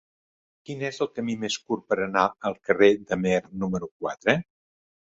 Quin és el camí més curt per anar al carrer d'Amer número quatre?